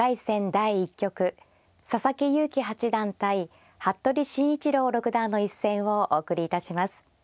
第１局佐々木勇気八段対服部慎一郎六段の一戦をお送りいたします。